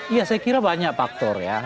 ya saya kira banyak faktor ya